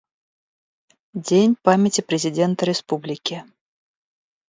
Дань памяти президента Республики.